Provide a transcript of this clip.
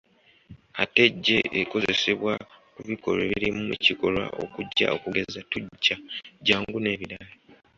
Ate “j” ekozesebwa ku bikolwa ebirimu ekikolwa okujja okugeza tujja, jangu n’ebirala.